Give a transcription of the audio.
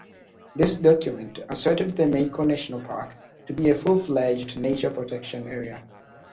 This document asserted the Maiko National Park to be a full-fledged nature protection area.